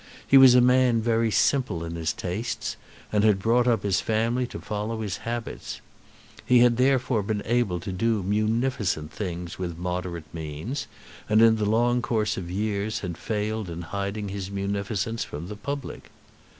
He was a man very simple in his tastes, and had brought up his family to follow his habits. He had therefore been able to do munificent things with moderate means, and in the long course of years had failed in hiding his munificence from the public.